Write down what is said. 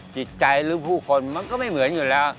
จิตใจหรือผู้คนมันก็ไม่เหมือนอยู่แล้ว